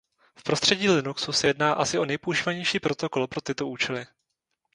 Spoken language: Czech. V prostředí Linuxu se jedná asi o nejpoužívanější protokol pro tyto účely.